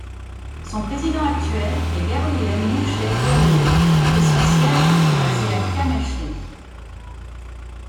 Son président actuel est Gabriel Moushe Gawrieh et son siège est basé à Kameshli.